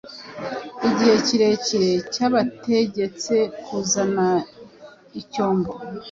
Igihe kirekire cyabategetsekuzana icyombo